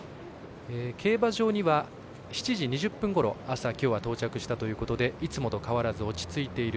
競馬場には７時２０分ごろ、朝到着したということでいつもと変わらず落ち着いている。